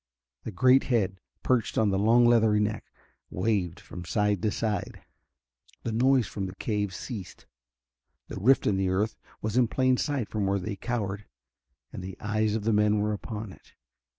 The great head, perched on the long leathery neck, waved from side to side. The noise from the cave ceased. The rift in the earth was in plain sight from where they cowered, and the eyes of the men were upon it.